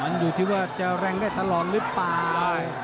มันอยู่ที่ว่าจะแรงได้ตลอดหรือเปล่า